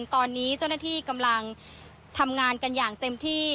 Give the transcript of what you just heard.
ตอนนี้เจ้าหน้าที่กำลังทำงานกันอย่างเต็มที่